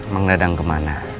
mang dadang kemana